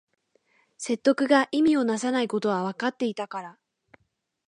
説得が意味をなさないことはわかっていたから